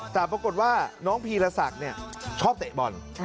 แต่ปรากฏว่าน้องพีรศักดิ์ชอบเตะบอล